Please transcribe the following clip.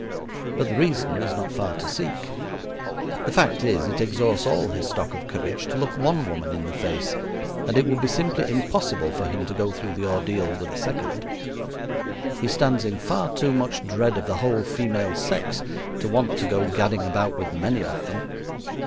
But the reason is not far to seek. The fact is it exhausts all his stock of courage to look one woman in the face, and it would be simply impossible for him to go through the ordeal with a second. He stands in far too much dread of the whole female sex to want to go gadding about with many of them.